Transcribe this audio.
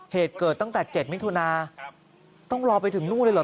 เหตุเกิดตั้งแต่๗มิถุนาต้องรอไปถึงนู่นเลยเหรอ